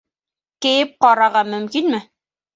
Кейеп ҡараға мөмкинме?